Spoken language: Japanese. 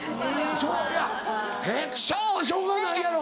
いや「ヘックション！」はしょうがないやろ。